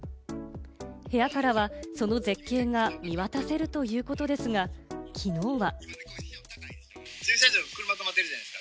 部屋からはその絶景が見渡せるということですが、きのうは。